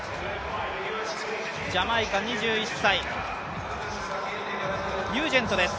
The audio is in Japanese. ジャマイカ２１歳、ニュージェントです。